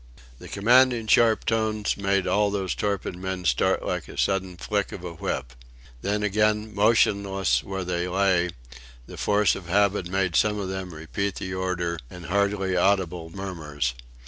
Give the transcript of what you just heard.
The commanding sharp tones made all these torpid men start like a sudden flick of a whip. Then again, motionless where they lay, the force of habit made some of them repeat the order in hardly audible murmurs.